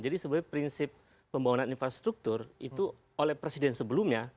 jadi sebenarnya prinsip pembangunan infrastruktur itu oleh presiden sebelumnya